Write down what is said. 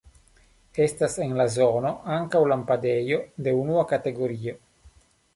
Estas en la zono ankaŭ kampadejo de unua kategorio.